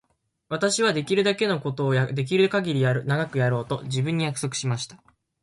私はできるだけのことをできるかぎり長くやろうと自分に約束しました。